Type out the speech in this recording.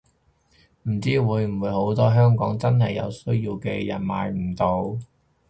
唔知會唔會好多香港真係有需要嘅人買唔到